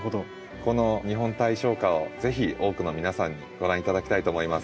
この日本大賞花を是非多くの皆さんにご覧頂きたいと思います。